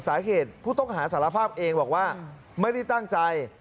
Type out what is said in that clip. ผู้ต้องหาสารภาพเองบอกว่าไม่ได้ตั้งใจ